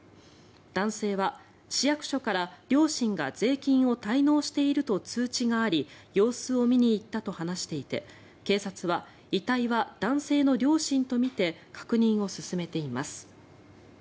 男性は市役所から、両親が税金を滞納していると通知があり様子を見に行ったと話していて警察は遺体は男性の両親とみて確認を進めています。